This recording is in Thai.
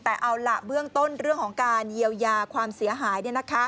แต่เอาล่ะเบื้องต้นเรื่องของการเยียวยาความเสียหาย